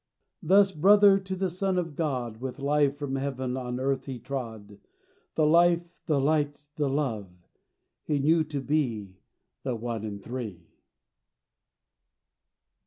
Thus brother to the Son of God With life from heaven on earth he trod: The Life, the Light, the Love, he knew to be The One in Three.